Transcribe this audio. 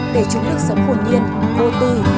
để chúng được sống hồn nhiên vô tư